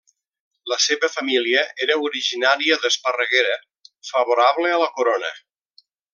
La seva família era originària d'Esparreguera favorable a la corona.